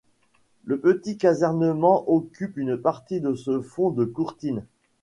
Le petit casernement occupe une partie de ce fond de courtine.